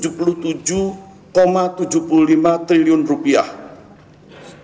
jumlah ini jauh lebih besar dibandingkan keseluruhan tahun dua ribu empat belas